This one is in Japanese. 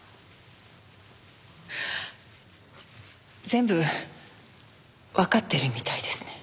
全部わかってるみたいですね。